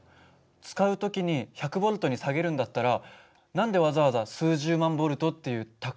使う時に１００Ｖに下げるんだったら何でわざわざ数十万Ｖっていう高い電圧で送るの？